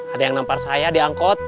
ada yang nampar saya diangkot